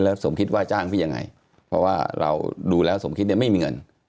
แล้วสมคิดว่าจ้างพี่ยังไงเพราะว่าเราดูแล้วสมคิดเนี่ยไม่มีเงิน